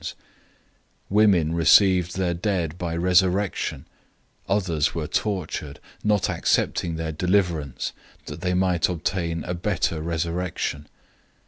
011:035 Women received their dead by resurrection.{1 Kings 19:1 3; 2 Kings 6:31 7:20} Others were tortured, not accepting their deliverance, that they might obtain a better resurrection.